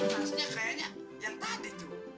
maksudnya kayaknya yang tadi tuh